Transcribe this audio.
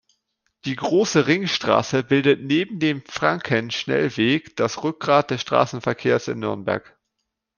Die große Ringstraße bildet neben dem Frankenschnellweg das Rückgrat des Straßenverkehrs in Nürnberg.